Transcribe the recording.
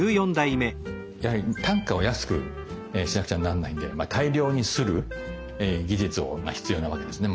やはり単価を安くしなくちゃなんないんで大量に摺る技術が必要なわけですね。